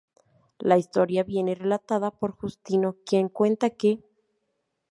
La historia viene relatada por Justino, quien cuenta que